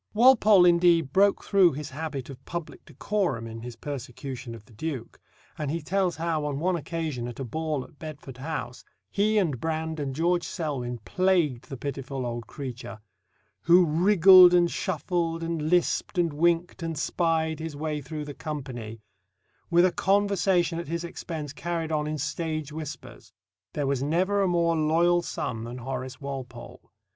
Walpole, indeed, broke through his habit of public decorum in his persecution of the Duke; and he tells how on one occasion at a ball at Bedford House he and Brand and George Selwyn plagued the pitiful old creature, who "wriggled, and shuffled, and lisped, and winked, and spied" his way through the company, with a conversation at his expense carried on in stage whispers. There was never a more loyal son than Horace Walpole.